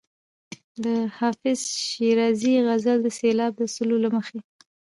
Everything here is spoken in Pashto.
د حافظ شیرازي غزل د سېلاب د اصولو له مخې.